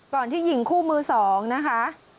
ที่หญิงคู่มือ๒นะคะ